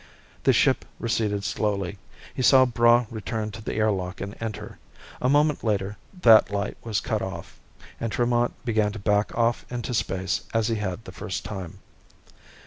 The ship receded slowly. He saw Braigh return to the air lock and enter. A moment later, that light was cut off, and Tremont began to back off into space as he had the first time.